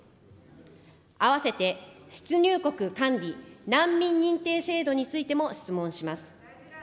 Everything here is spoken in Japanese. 併せて、出入国管理・難民認定制度についても質問します。